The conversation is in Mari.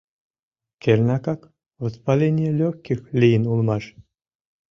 Кернакак, «воспаление легких» лийын улмаш.